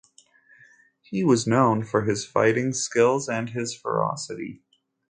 He was known for his fighting skills and his ferocity.